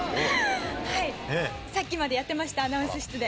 はいさっきまでやってましたアナウンス室で。